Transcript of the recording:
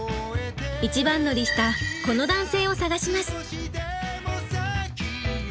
一番乗りしたこの男性を探します。